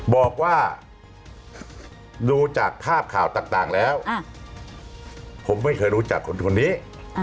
บอกว่าดูจากภาพข่าวต่างแล้วผมไม่เคยรู้จักคนนี้